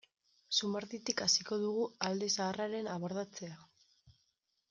Zumarditik hasiko dugu alde zaharraren abordatzea.